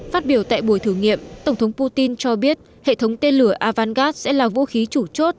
phát biểu tại buổi thử nghiệm tổng thống putin cho biết hệ thống tên lửa avangard sẽ là vũ khí chủ chốt